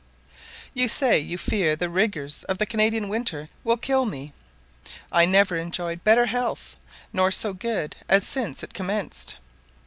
You say you fear the rigours of the Canadian winter will kill me. I never enjoyed better health, nor so good, as since it commenced.